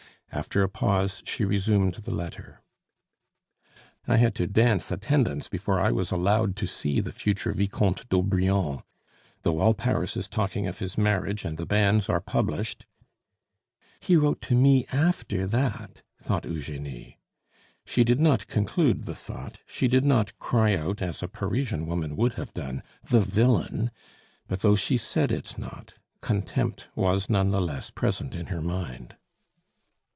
After a pause she resumed the letter, I had to dance attendance before I was allowed to see the future Vicomte d'Aubrion. Though all Paris is talking of his marriage and the banns are published "He wrote to me after that!" thought Eugenie. She did not conclude the thought; she did not cry out, as a Parisian woman would have done, "The villain!" but though she said it not, contempt was none the less present in her mind.